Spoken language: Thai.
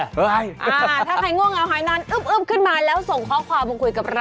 ถ้าใครง่วงเหงาหายนานอึ๊บขึ้นมาแล้วส่งข้อความมาคุยกับเรา